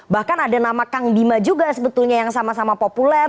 bahkan ada nama kang bima juga sebetulnya yang sama sama populer